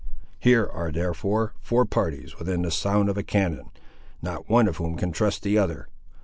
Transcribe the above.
Here are therefore four parties within sound of a cannon, not one of whom can trust the other.